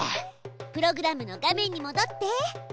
プログラムの画面にもどって。